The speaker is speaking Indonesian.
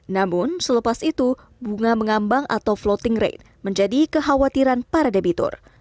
namun selepas itu bunga mengambang atau floating rate menjadi kekhawatiran para debitur